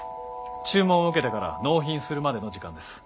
注文を受けてから納品するまでの時間です。